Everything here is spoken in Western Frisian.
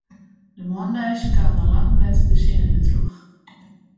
De moandeis kaam dan lang om let de sinne dertroch.